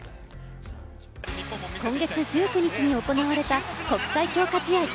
今月１９日に行われた国際強化試合。